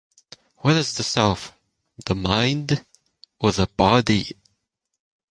What is the self: the mind, or the body?